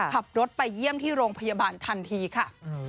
ขับรถไปเยี่ยมที่โรงพยาบาลทันทีค่ะ